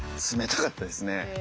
冷たかったですね。